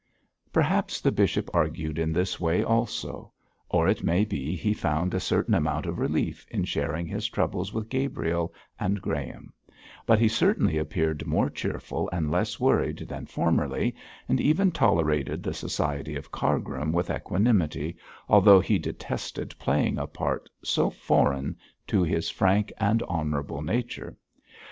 Perhaps the bishop argued in this way also; or it may be he found a certain amount of relief in sharing his troubles with Gabriel and Graham; but he certainly appeared more cheerful and less worried than formerly, and even tolerated the society of Cargrim with equanimity, although he detested playing a part so foreign to his frank and honourable nature.